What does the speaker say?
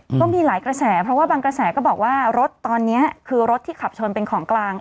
ก็มีหลายกระแสเพราะว่าบางกระแสก็บอกว่ารถตอนนี้คือรถที่ขับชนเป็นของกลาง